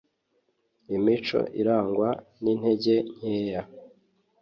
imico irangwa n’intege nkeya